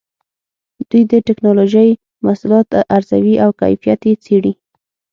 دوی د ټېکنالوجۍ محصولات ارزوي او کیفیت یې څېړي.